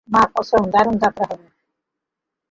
মা কসম, দারুণ যাত্রা হবে।